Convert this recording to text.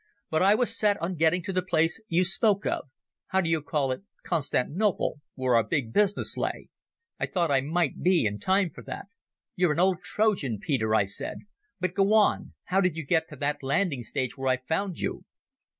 But I was set on getting to the place you spoke of (how do you call it? Constant Nople?), where our big business lay. I thought I might be in time for that." "You're an old Trojan, Peter," I said; "but go on. How did you get to that landing stage where I found you?"